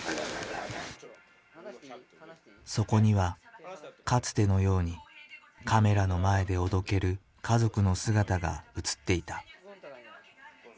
そこにはかつてのようにカメラの前でおどける家族の姿が映っていた。